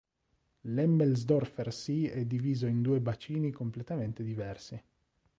L'Hemmelsdorfer See è diviso in due bacini completamente diversi.